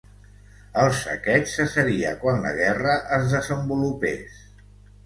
El saqueig cessaria quan la guerra es desenvolupés.